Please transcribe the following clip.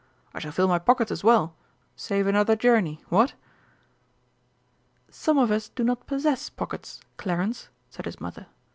"I shall fill my pockets as well save another journey, what?" "Some of us do not possess pockets, Clarence," said his mother.